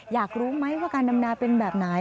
อยากรู้ไหมว่าการดำนาเป็นแบบไหน